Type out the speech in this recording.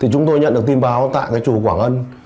chúng tôi nhận được tin báo tại chùa quảng ân